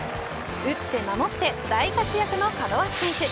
打って守って大活躍の門脇選手。